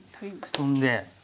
トンで。